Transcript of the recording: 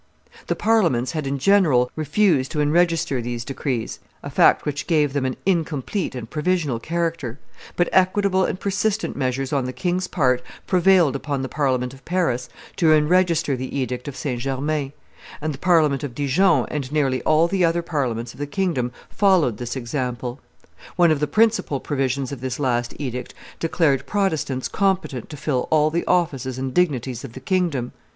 107] The Parliaments had in general refused to enregister these decrees a fact which gave them an incomplete and provisional character; but equitable and persistent measures on the king's part prevailed upon the Parliament of Paris to enregister the edict of St. Germain; and the Parliament of Dijon and nearly all the other Parliaments of the kingdom followed this example. One of the principal provisions of this last edict declared Protestants competent to fill all the offices and dignities of the kingdom.